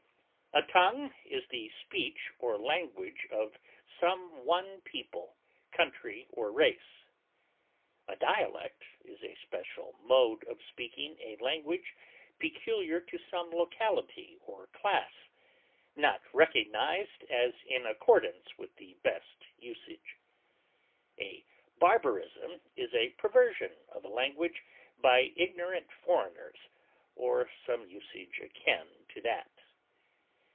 A tongue is the speech or language of some one people, country, or race. A dialect is a special mode of speaking a language peculiar to some locality or class, not recognized as in accordance with the best usage; a barbarism is a perversion of a language by ignorant foreigners, or some usage akin to that.